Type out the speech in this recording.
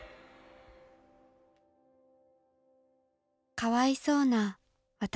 かわいそうな私。